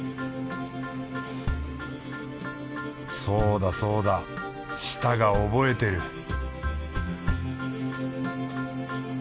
そうだそうだ舌が覚えてる